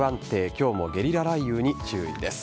今日もゲリラ雷雨に注意です。